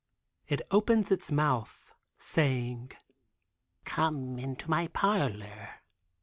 It opens its mouth saying: "Come into my parlor."